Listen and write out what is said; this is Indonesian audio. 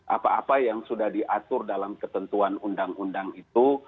apa apa yang sudah diatur dalam ketentuan undang undang itu